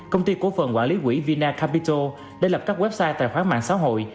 công ty cố phần quản lý quỹ vina capital đã lập các website tài khoản mạng xã hội